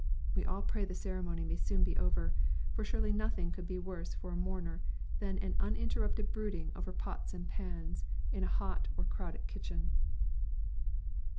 We all pray the ceremony may be soon over, for surely nothing could be worse for a mourner than an uninterrupted brooding over pots and pans in a hot or crowded kitchen.